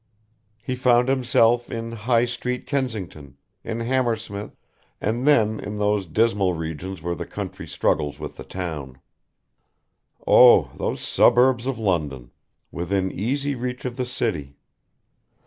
He found himself in High Street Kensington, in Hammersmith, and then in those dismal regions where the country struggles with the town. Oh, those suburbs of London! Within easy reach of the city!